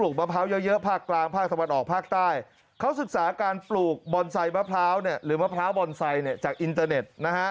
เขาศึกษาการปลูกบอนไซด์มะพร้าวหรือมะพร้าวบอนไซด์จากอินเตอร์เน็ต